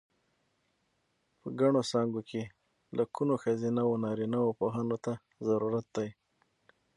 په ګڼو څانګو کې لکونو ښځینه و نارینه پوهانو ته ضرورت دی.